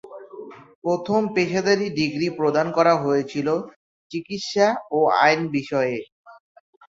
প্রথম পেশাদারী ডিগ্রি প্রদান করা হয়েছিল চিকিৎসা ও আইন বিষয়ে।